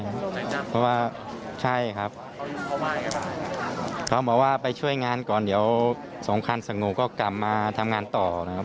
เพราะว่าใช่ครับเขาบอกว่าไปช่วยงานก่อนเดี๋ยวสองคันสงบก็กลับมาทำงานต่อนะครับ